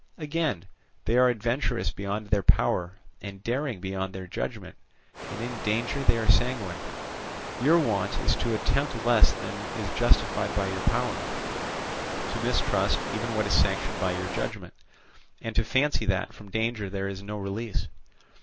Again, they are adventurous beyond their power, and daring beyond their judgment, and in danger they are sanguine; your wont is to attempt less than is justified by your power, to mistrust even what is sanctioned by your judgment, and to fancy that from danger there is no release.